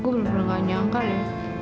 gua belum pernah nggak nyangka ya